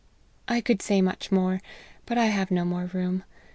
I could say much more, but I have no more room.